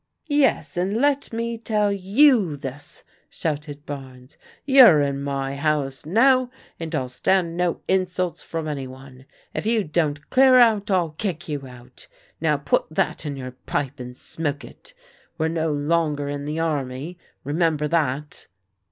"Yes, and let me tell you this," shouted Barnes, " you're in my house now, and I'll stand no insults from any one. If you don't clear out, I'll kick you out, Now; put that in your pipe and smoke it. We're no longer in the army, remember that